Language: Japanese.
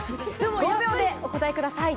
５秒でお答えください。